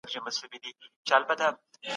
د قلم فضیلت یې تر پایه وساته